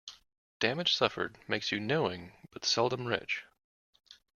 Damage suffered makes you knowing, but seldom rich.